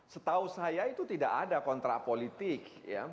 setahu saya itu tidak ada kontrak politik